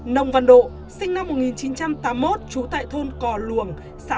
nông văn độ sinh năm một nghìn chín trăm tám mươi một trú tại thôn cò lùa